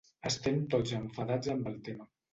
Estem tots enfadats amb el tema.